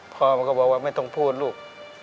พ่อมันก็บอกว่าไม่ต้องพูดลูก